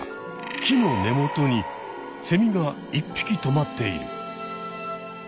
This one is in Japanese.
木の根元にセミが一匹とまっている。